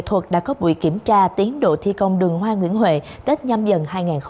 thuật đã có buổi kiểm tra tiến độ thi công đường hoa nguyễn huệ tết nham dần hai nghìn hai mươi hai